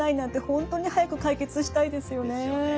本当に早く解決したいですよね。